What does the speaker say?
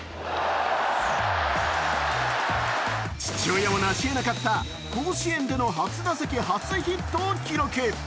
父親もなしえなかった甲子園での初打席初ヒットを記録。